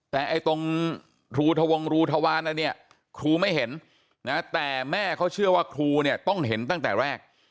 แต่ตรงรูทวรรณ์นั้นครูไม่เห็นแต่แม่เขาเชื่อว่าครูเนี่ยต้องเห็นตั้งแต่แรก